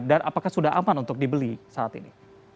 dan apakah sudah aman untuk dibeli saat ini